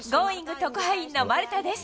特派員のマルタです。